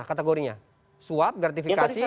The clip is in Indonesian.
kategorinya suap gratifikasi